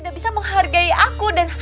bisa menghargai aku dan